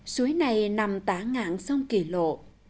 suối này nằm tả ngạn sông kỳ lộ